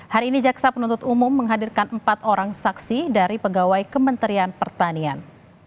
hari ini jaksa penuntut umum menghadirkan empat orang saksi dari pegawai kementerian pertanian